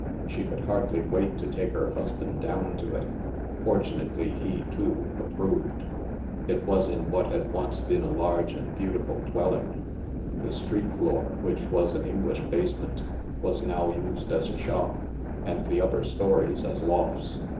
She could hardly wait to take her husband down to it. Fortunately he, too, approved. It was in what had once been a large and beauti ful dwelling. The street floor, which was an Eng lish basement, was now used as a shop, and the upper stories as lofts.